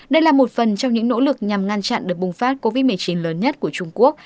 đây là một phần trong những nỗ lực nhằm ngăn chặn đợt bùng phát covid một mươi chín lớn nhất của trung quốc